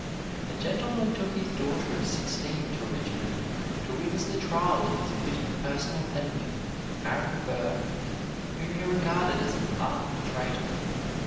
A gentleman took his daughter of sixteen to Richmond to witness the trial of his bitter personal enemy, Aaron Burr, whom he regarded as an arch traitor.